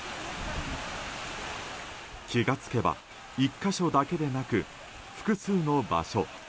気が付けば、１か所だけでなく複数の場所。